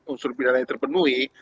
unsur pilihan lain terpenuhi